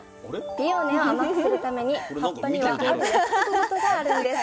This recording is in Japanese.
ピオーネを甘くするために葉っぱにはある約束事があるんです。